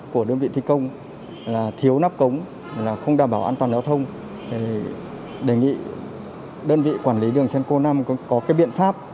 của đơn vị thi công là thiếu nắp cống không đảm bảo an toàn giao thông đề nghị đơn vị quản lý đường cenco năm có cái biện pháp